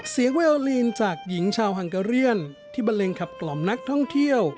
เวลลีนจากหญิงชาวฮังกะเรียนที่บันเลงขับกล่อมนักท่องเที่ยว